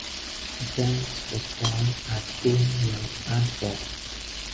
Dens was born at Boom near Antwerp.